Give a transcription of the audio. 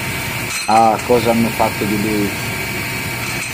Ah, cosa hanno fatto di lui!